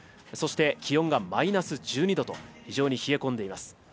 そして気温がマイナス１２度と非常に冷え込んでいます。